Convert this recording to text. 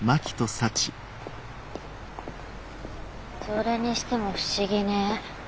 それにしても不思議ね。